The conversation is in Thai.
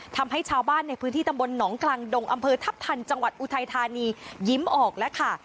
ทำให้ชาวบ้านในพื้นที่ตำบลหนองกลางดงอำเภอทัพทันจังหวัดอุทัยธานียิ้มออกแล้วค่ะ